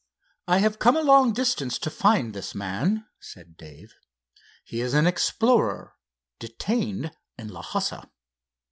"I have come a long distance to find this man," said Dave. "He is an explorer, detained in Lhassa."